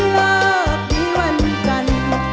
แล้วพี่จ้า